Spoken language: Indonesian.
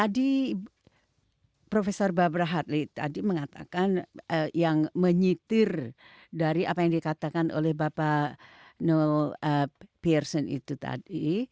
jadi profesor barbara hartley tadi mengatakan yang menyitir dari apa yang dikatakan oleh bapak noel pearson itu tadi